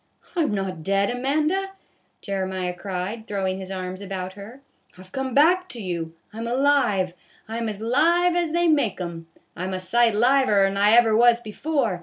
" I 'm not dead, Amanda," Jeremiah cried, throw ing his arms about her, " I 've come back to you. I 'm alive, I 'm as live as they make 'um, I 'm a sight liver 'n I ever was before.